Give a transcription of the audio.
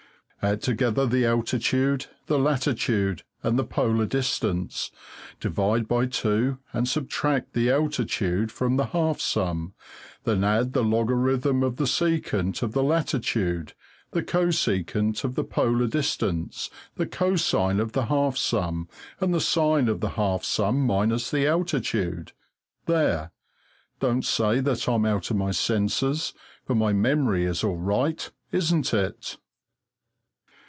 "Add together the altitude, the latitude, and the polar distance, divide by two and subtract the altitude from the half sum; then add the logarithm of the secant of the latitude, the cosecant of the polar distance, the cosine of the half sum and the sine of the half sum minus the altitude" there! Don't say that I'm out of my senses, for my memory is all right, isn't it?